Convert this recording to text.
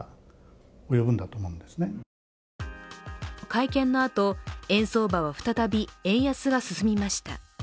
会見のあと円相場は再び円安が進みました。